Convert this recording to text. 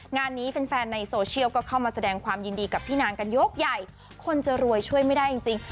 งานนี้แฟนในโซเชียลก็เข้ามาแสดงความยินดีกับพี่นางกันยกใหญ่คนจะรวยช่วยไม่ได้จริง